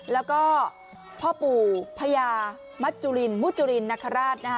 แล้วก็พ่อปู่พญามัจจุลินมุจรินนคราชนะคะ